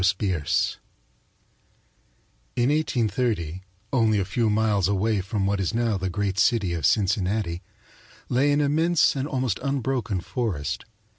THE BOARDED WINDOW In 1830, only a few miles away from what is now the great city of Cincinnati, lay an immense and almost unbroken forest.